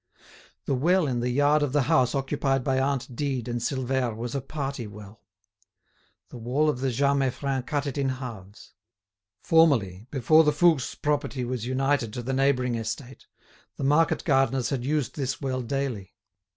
The well in the yard of the house occupied by aunt Dide and Silvère was a party well. The wall of the Jas Meiffren cut it in halves. Formerly, before the Fouques' property was united to the neighbouring estate, the market gardeners had used this well daily.